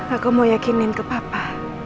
aku mau yakinin ke papa